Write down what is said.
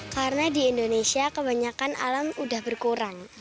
karena di indonesia kebanyakan alam sudah berkurang